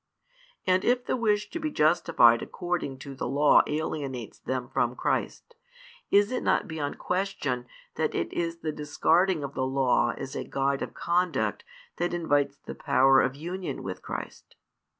And if the wish to be justified according to the Law alienates them from Christ, is it not beyond question that it is the discarding of the Law as a guide of conduct that invites the power of union with Christ?